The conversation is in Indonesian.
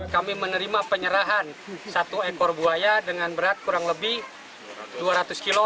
kami menerima penyerahan satu ekor buaya dengan berat kurang lebih dua ratus kg